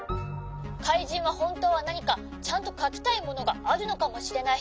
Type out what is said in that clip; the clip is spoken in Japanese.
かいじんはほんとうはなにかちゃんとかきたいものがあるのかもしれない」。